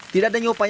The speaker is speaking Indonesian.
tidak ada nyopanya